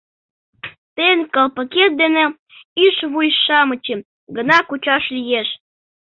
— Тыйын калпакет дене ӱшвуй-шамычым гына кучаш лиеш...